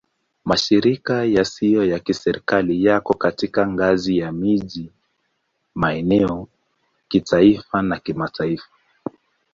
Mashirika yasiyo ya Kiserikali yako kwenye ngazi ya miji, maeneo, kitaifa na kimataifa.